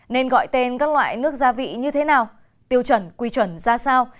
nên gọi tên các loại nước gia vị như thế nào tiêu chuẩn quy chuẩn ra sao